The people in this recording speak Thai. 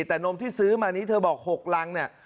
แต่นมที่ซื้อมานี้เธอบอก๖รังเนี่ย